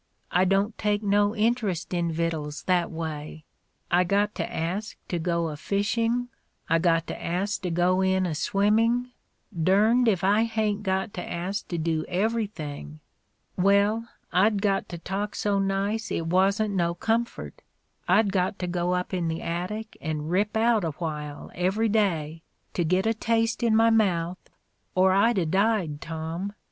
I don't take no interest in vittles, that way. I got to ask to go a fishing; I got to ask to go in a swimming — dern'd if I hain't got to ask to do everything. Well, I'd got to talk so nice it wasn't no comfort — I'd got to go up in the attic and rip out a while, every day, to git a taste in my mouth, or I'd a died, Tom.